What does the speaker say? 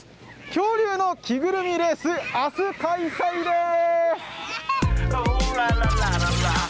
恐竜の着ぐるみレース、あす開催です。